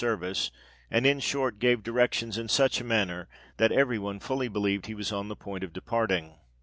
service, and in short, gave directions in such a manner, that every one fully believed he was on the point of departing.